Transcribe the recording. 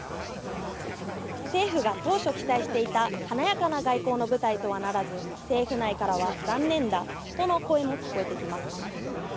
政府が当初、期待していた華やかな外交の舞台とはならず政府内からは残念だとの声も聞こえてきます。